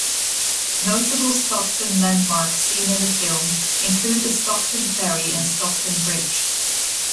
Notable Stockton landmarks seen in the film include the Stockton Ferry and Stockton Bridge.